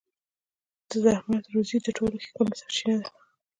د زحمت روزي د ټولو ښېګڼو سرچينه ده.